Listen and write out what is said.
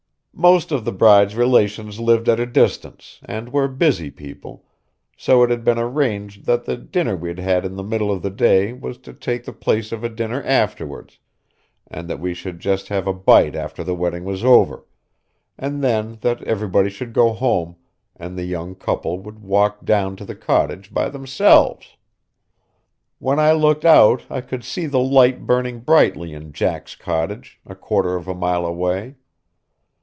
Most of the bride's relations lived at a distance, and were busy people, so it had been arranged that the dinner we'd had in the middle of the day was to take the place of a dinner afterwards, and that we should just have a bite after the wedding was over, and then that everybody should go home, and the young couple would walk down to the cottage by themselves. When I looked out I could see the light burning brightly in Jack's cottage, a quarter of a mile away.